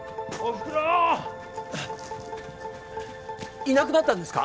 いなくなったんですか？